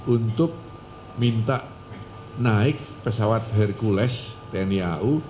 untuk minta naik pesawat hercules tni au